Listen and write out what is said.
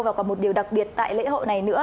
và còn một điều đặc biệt tại lễ hội này nữa